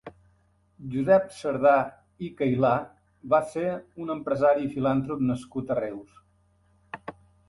Josep Sardà i Cailà va ser un empresari i filantrop nascut a Reus.